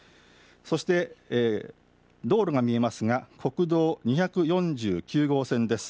そして道路が見えますが国道２４９号線です。